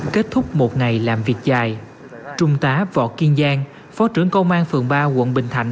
kết thúc một ngày làm việc dài trung tá võ kiên giang phó trưởng công an phường ba quận bình thạnh